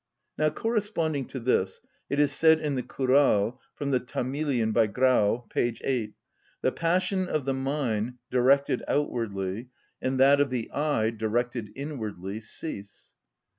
Now, corresponding to this, it is said in the "Kural," from the Tamilian by Graul, p. 8: "The passion of the mine directed outwardly, and that of the I directed inwardly, cease" (_cf.